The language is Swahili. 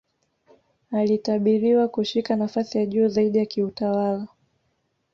alitabiriwa kushika nafasi ya juu zaidi ya kiutawala